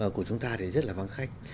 của chúng ta thì rất là vắng khách